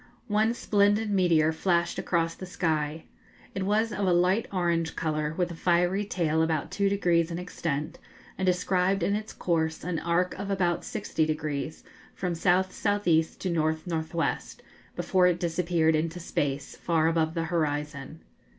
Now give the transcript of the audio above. One splendid meteor flashed across the sky. It was of a light orange colour, with a fiery tail about two degrees in extent, and described in its course an arc of about sixty degrees, from S.S.E. to N.N.W., before it disappeared into space, far above the horizon.